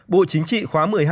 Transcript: bộ chính trị khóa một mươi hai